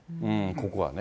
ここはね。